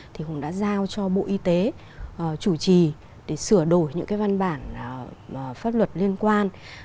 thì cũng đã giao cho bộ y tế chủ trì để sửa đổi những cái văn bản pháp luật liên quan